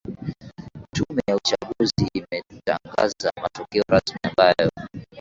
tume ya uchaguzi imetangaza matokeo rasmi ambayo